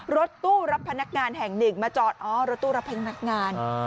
รถตู้รับพนักงานแห่งหนึ่งมาจอดอ๋อรถตู้รับพนักงาน